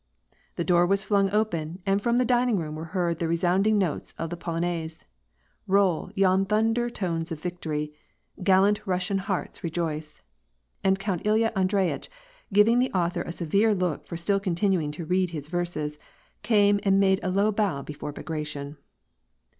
The door was flung open, and from the dining room were heard the resound ing notes of the polonaise :" Roll, ye thunder tones of victon", gaJlant Russian hearts rejoice,'^ and Count Ilya Andreyitcn, giving the author a severe look for still continuing to read his verses, came and made a low bow before Bagration.